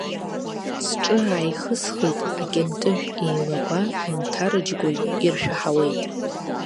Сҿы ааихысхит, акьынтыжә еилагәа нҭарыџьгәоит, иршәаҳауеит.